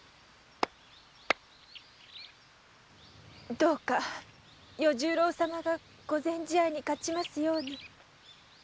どうか与十郎様が御前試合に勝ちますように。